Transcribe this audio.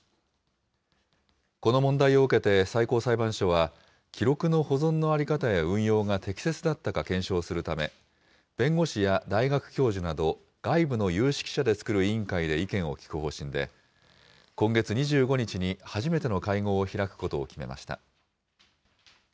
この問題を受けて最高裁判所は、記録の保存の在り方や運用が適切だったか検証するため、弁護士や大学教授など、外部の有識者で作る委員会で意見を聞く方針で、今月２５日に初めての会合を開くことを決めました。